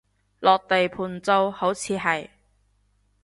落地盤做，好似係